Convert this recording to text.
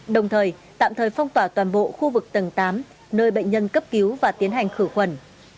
đồng thời tạm thời phong tỏa toàn bộ khu vực tầng tám nơi bệnh nhân cấp cứu và tiến hành khử khuẩn